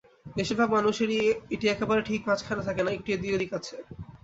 বেশির ভাগ মানুষেরই এটি একেবারে ঠিক মাঝখানে থাকে না, একটু এদিক-ওদিক আছে।